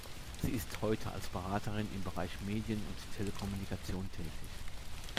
Sie ist heute als Beraterin im Bereich Medien und Telekommunikation tätig.